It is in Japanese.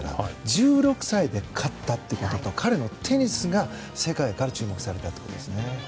１６歳で勝ったということと彼のテニスが世界から注目されたというわけですね。